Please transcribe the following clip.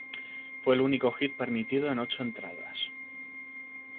Fue el único hit permitido en ocho entradas.